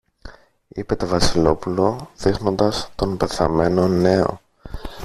είπε το Βασιλόπουλο, δείχνοντας τον πεθαμένο νέο.